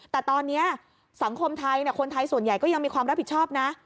แต่ตอนนี้สังคมไทยคนไทยส่วนใหญ่ก็ยังมีความรับผิดชอบนะ